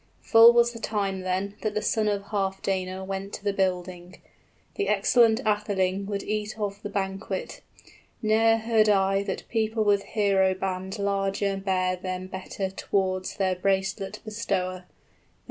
Full was the time then That the son of Healfdene went to the building; The excellent atheling would eat of the banquet. 20 Ne'er heard I that people with hero band larger Bare them better tow'rds their bracelet bestower.